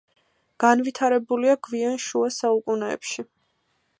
განვითარებულია გვიან შუა საუკუნეებში.